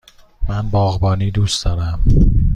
من باغبانی دوست دارم.